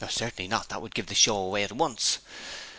'Certainly not; that would give the show away at once.